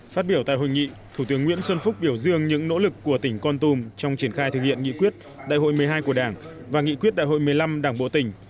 phát biểu tại hội nghị thủ tướng nguyễn xuân phúc biểu dương những nỗ lực của tỉnh con tum trong triển khai thực hiện nghị quyết đại hội một mươi hai của đảng và nghị quyết đại hội một mươi năm đảng bộ tỉnh